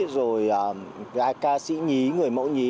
rồi ca sĩ nhí người mẫu nhí